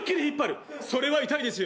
それは痛いですよ。